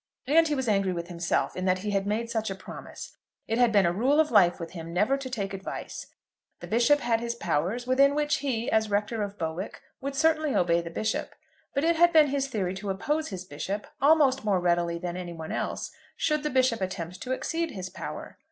And he was angry with himself in that he had made such a promise. It had been a rule of life with him never to take advice. The Bishop had his powers, within which he, as Rector of Bowick, would certainly obey the Bishop; but it had been his theory to oppose his Bishop, almost more readily than any one else, should the Bishop attempt to exceed his power.